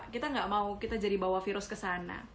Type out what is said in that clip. kita gak mau kita jadi bawa virus ke sana